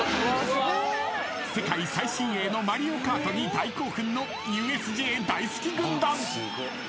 ［世界最新鋭のマリオカートに大興奮のＵＳＪ大好き軍団］